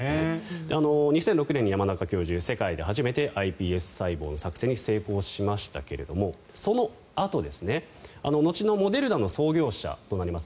２００６年に山中教授世界で初めてｉＰＳ細胞の作製に成功しましたけれどもそのあと後のモデルナの創業者となります